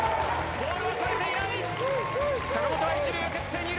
ボールはとれていない。